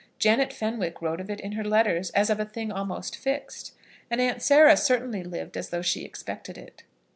Janet Fenwick wrote of it in her letters as of a thing almost fixed; and Aunt Sarah certainly lived as though she expected it.